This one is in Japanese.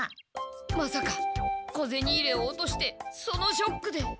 まさか小ゼニ入れを落としてそのショックで。